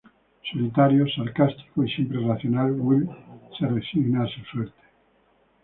Solitario, sarcástico y siempre racional, Will se resigna a su suerte.